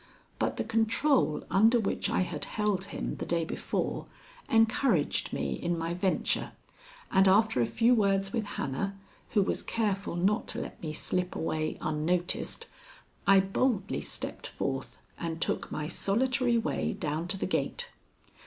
But the control under which I had held him the day before encouraged me in my venture, and after a few words with Hannah, who was careful not to let me slip away unnoticed, I boldly stepped forth and took my solitary way down to the gate.